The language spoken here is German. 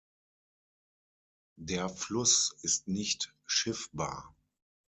Der Fluss ist nicht schiffbar.